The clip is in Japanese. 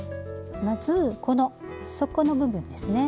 まずこの底の部分ですね。